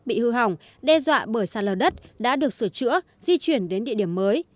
bị hư hỏng đe dọa bởi sàn lờ đất đã được sửa chữa di chuyển đến địa điểm mới